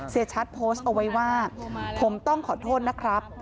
เสียชัดโพสต์เอาไว้ว่าผมต้องขอโทษนะครับ